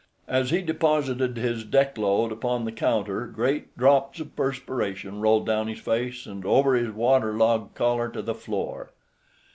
As he deposited his deck load upon the counter, great drops of perspiration rolled down his face and over his waterlogged collar to the floor.